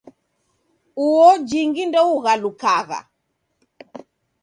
Uo jingi ndeughalukagha.